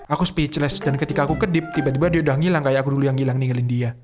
aku speechless dan ketika aku kedip tiba tiba dia udah ngilang kayak aku dulu yang ngilang ningelin dia